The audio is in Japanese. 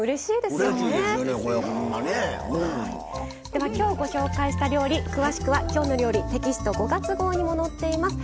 ではきょうご紹介した料理詳しくは「きょうの料理」テキスト５月号にも載っています。